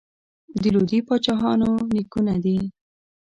د لودي پاچاهانو نیکونه دي.